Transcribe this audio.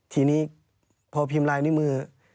ทีนี้พอพิมพ์ลายนิ้วมือ